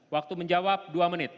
waktu menjawab dua menit